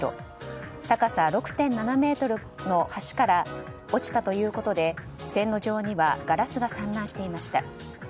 高さ６．７ｍの橋から落ちたということで線路上にはガラスが散乱していました。